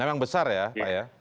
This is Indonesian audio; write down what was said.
memang besar ya pak ya